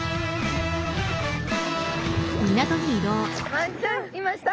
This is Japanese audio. マアジちゃんいました！